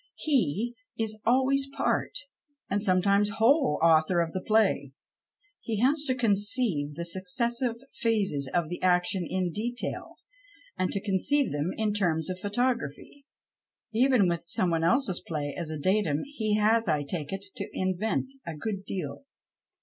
"" He is always part, and sometimes whole, author of the play. He has to conceive the successive phases of the action in detail, and to con ceive them in terms of photography. Even with some one elses j)lay as a datum he has, I take it, to in vent a good deal.